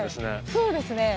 そうですね。